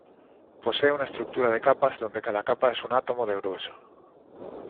Posee una estructura de capas, donde cada capa es de un átomo de grueso.